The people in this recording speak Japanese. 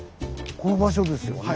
この場所ですよね。